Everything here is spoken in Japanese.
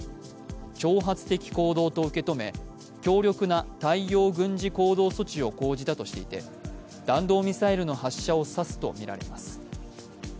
挑発的行動と受け止め、強力な対応軍事行動措置を講じたとしていて弾道ミサイルの発射を指すとみられます。